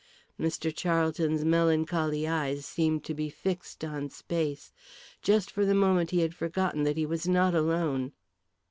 Mr. Charlton's melancholy eyes seemed to be fixed on space. Just for the moment he had forgotten that he was not alone.